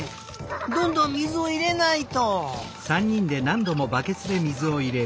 どんどん水をいれないと！